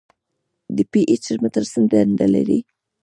د پي ایچ متر څه دنده لري.